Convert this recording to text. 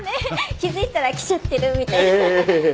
気付いたら来ちゃってるみたいな。